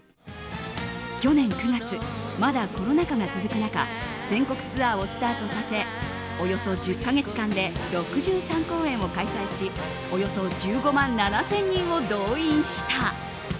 去年９月、まだコロナ禍が続く中全国ツアーをスタートさせおよそ１０か月間で６３公演を開催しおよそ１５万７０００人を動員した。